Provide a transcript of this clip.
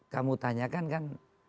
kamu tanyakan kan